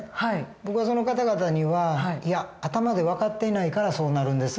僕はその方々にはいや頭で分かっていないからそうなるんです。